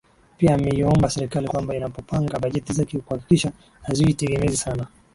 Pia ameiomba Serikali kwamba inapopanga bajeti zake kuhakikisha haziwi tegemezi sana